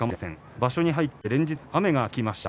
場所に入って連日雨が続きました。